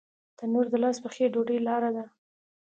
تنور د لاس پخې ډوډۍ لاره ده